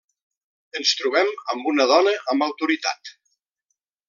Ens trobem amb una dona amb autoritat.